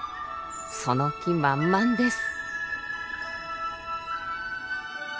その気満々です。